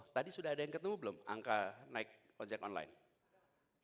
tadi sudah ada yang ketemu belum angka naik ojek online